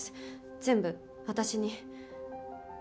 全部私に。